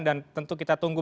dan tentu kita tunggu